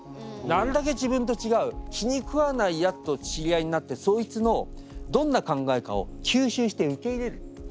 なるだけ自分と違う気に食わないやつと知り合いになってそいつのどんな考えかを吸収して受け入れる。